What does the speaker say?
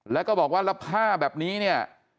แล้วก็บอกว่าแล้วผ้าแบบนี้เนี่ย